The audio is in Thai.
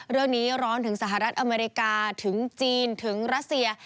ร้อนถึงสหรัฐอเมริกาถึงจีนถึงรัสเซีย